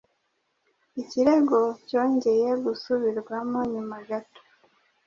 Ikirego cyongeye gusubirwamo nyuma gato,